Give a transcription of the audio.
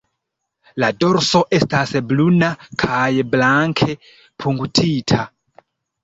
La dorso estas bruna kaj blanke punktita.